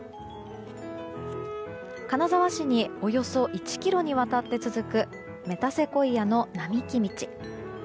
金沢市におよそ１ｋｍにわたって続くメタセコイアの並木道。